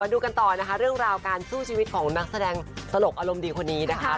ดูกันต่อนะคะเรื่องราวการสู้ชีวิตของนักแสดงตลกอารมณ์ดีคนนี้นะคะ